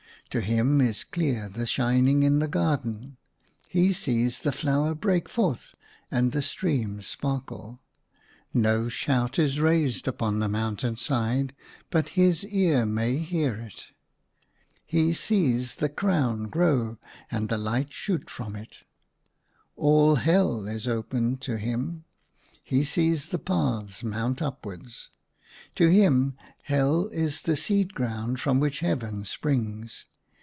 To him is clear the shining in the garden, he sees the flower break forth and the streams sparkle ; no shout is raised upon the mountain side but his ear may hear it. He sees the crown grow and the light shoot from it. All Hell is open to him. He sees the paths mount upwards. To him, Hell is the seed ground from which Heaven springs.